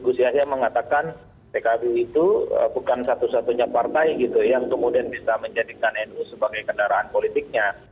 gus yahya mengatakan pkb itu bukan satu satunya partai gitu yang kemudian bisa menjadikan nu sebagai kendaraan politiknya